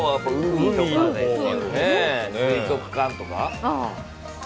水族館とか？